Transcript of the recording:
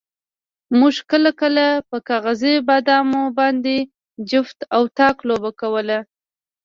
موږ کله کله په کاغذي بادامو باندې جفت او طاق لوبه کوله.